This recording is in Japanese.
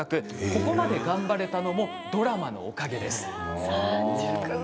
ここまで頑張れたのもドラマのおかげです。